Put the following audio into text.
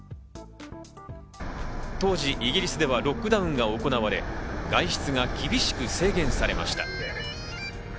当時イギリスではロックダウンが行われ、外出が厳しく制限されました。